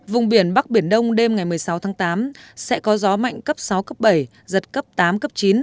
vùng biển bắc biển đông đêm ngày một mươi sáu tháng tám sẽ có gió mạnh cấp sáu cấp bảy giật cấp tám cấp chín